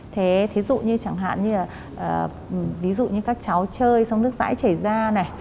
thế dụ như chẳng hạn như là ví dụ như các cháu chơi xong nước rãi chảy ra này